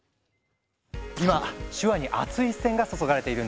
今手話にアツい視線が注がれているんです。